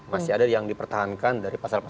masih ada yang dipertahankan dari pasal pasal